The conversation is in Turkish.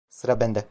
Sıra bende.